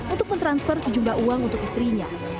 untuk mentransfer sejumlah uang untuk istrinya